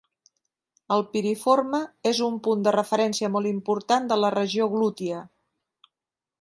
El piriforme és un punt de referència molt important de la regió glútia.